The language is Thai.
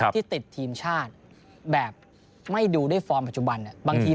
ที่ติดทีมชาติแบบไม่ดูด้วยฟอร์มปัจจุบันบางที